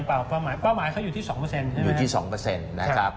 เป้าหมายเขาอยู่ที่๒อยู่ที่๒นะครับ